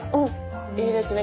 いいですね。